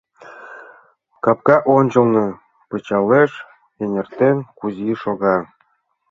Капка ончылно, пычалеш эҥертен, Кузий шога.